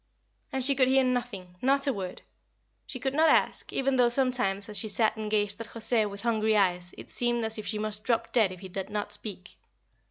And she could hear nothing not a word. She could not ask, even though sometimes as she sat and gazed at José with hungry eyes it seemed as if she must drop dead if he did not speak.